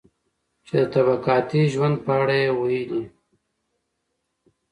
چې د طبقاتي ژوند په اړه يې وويلي.